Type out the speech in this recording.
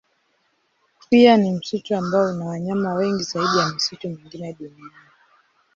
Pia ni msitu ambao una wanyama wengi zaidi ya misitu mingine duniani.